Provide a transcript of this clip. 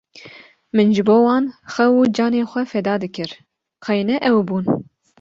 min ji bo wan xew û canê xwe feda dikir qey ne ew bûn.